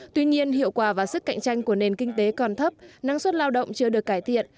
tuy nhiên hiệu quả và sức cạnh tranh của nền kinh tế còn thấp năng suất lao động chưa được cải thiện